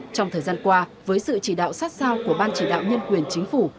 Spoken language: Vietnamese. trong thời gian qua với sự chỉ đạo sát sao của ban chỉ đạo nhân quyền chính phủ